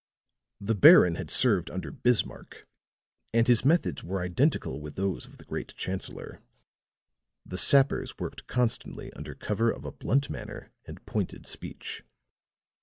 The Baron had served under Bismark, and his methods were identical with those of the great chancellor the sappers worked constantly under cover of a blunt manner and pointed speech.